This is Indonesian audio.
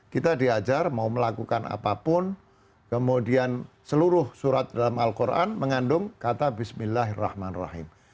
kita diajar mau melakukan apapun kemudian seluruh surat dalam al quran mengandung kata bismillahirrahmanirrahim